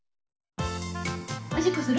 おしっこする？